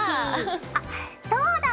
あっそうだ。